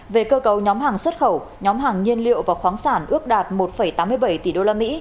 về cơ cấu nhóm hàng xuất khẩu nhóm hàng nhiên liệu và khoáng sản ước đạt một tám mươi bảy tỷ usd